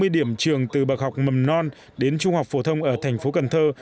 sáu mươi điểm trường từ bậc học mầm non đến trung học phổ thông ở thành phố cần thơ